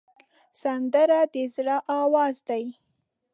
سندره د زړه آواز دی